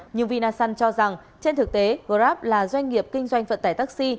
nhưng vinasun cho rằng trên thực tế grab là doanh nghiệp kinh doanh vận tải taxi